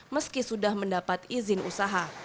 meski sudah mendapat izin usaha